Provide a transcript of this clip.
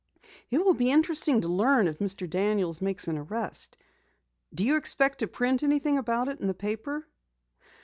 "It will be interesting to learn if Mr. Daniels makes an arrest. Do you expect to print anything about it in the paper?"